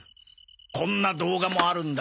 こんな動画もあるんだ。